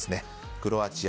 クロアチア。